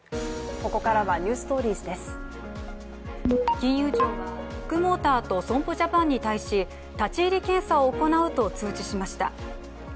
金融庁はビッグモーターと損保ジャパンに対し立ち入り検査を行うと通知しました。